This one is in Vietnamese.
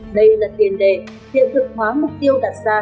đây là tiền đề hiện thực hóa mục tiêu đặt ra